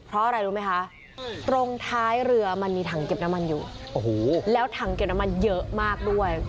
เพราะอะไรรู้ไหมคะตรงท้ายเรือมันมีถังเก็บน้ำมันอยู่โอ้โหแล้วถังเก็บน้ำมันเยอะมากด้วย